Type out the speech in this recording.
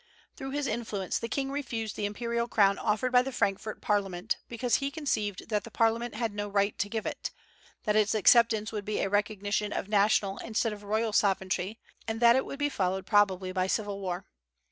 Through his influence the king refused the imperial crown offered by the Frankfort parliament, because he conceived that the parliament had no right to give it, that its acceptance would be a recognition of national instead of royal sovereignty, and that it would be followed probably by civil war.